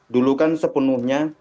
dulu kan sepenuhnya